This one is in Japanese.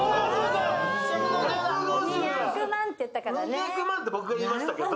２００万って僕が言いましたからね。